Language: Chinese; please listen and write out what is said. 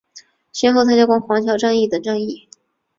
先后参加过黄桥战役等战役。